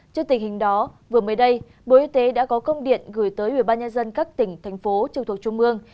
trước tình hình đó vừa mới đây bộ y tế đã có công điện gửi tới ubnd các tỉnh thành phố trường thuộc trung ương